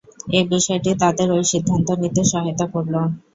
এ বিষয়টি তাদের ঐ সিদ্ধান্ত নিতে সহায়তা করল।